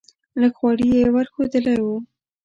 لږ غوړي یې ور ښودلی و.